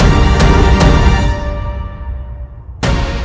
dan lima puluh demam